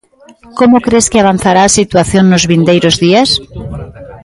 Como cres que avanzará a situación nos vindeiros días?